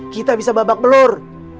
kita bisa babak belur